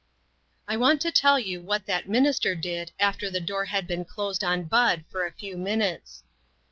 I want to tell you what that minister did after the door had been closed on Bud for a few minutes.